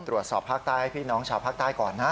ตรวจสอบภาคใต้ให้พี่น้องชาวภาคใต้ก่อนนะ